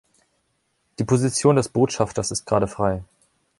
Die Position des Botschafters ist gerade frei.